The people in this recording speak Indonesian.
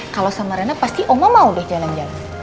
kalau sama rena pasti oma mau deh jalan jalan